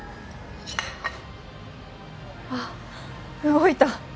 あっ動いた！